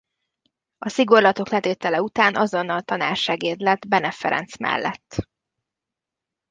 A szigorlatok letétele után azonnal tanársegéd lett Bene Ferenc mellett.